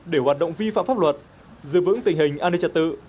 để hoạt động vi phạm pháp luật giữ vững tình hình an ninh trật tự